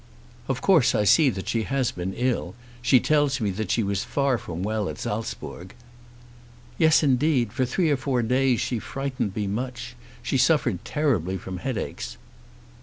"Of course I see that she has been ill. She tells me that she was far from well at Salzburg." "Yes; indeed for three or four days she frightened me much. She suffered terribly from headaches."